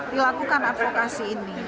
dilakukan advokasi ini